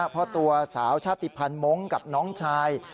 เพราะตัวสาวชาติภัณฑ์มงค์กับน้องชาย